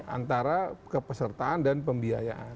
antara kepesertaan dan pembiayaan